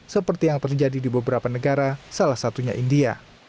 seperti yang terjadi di beberapa negara salah satunya india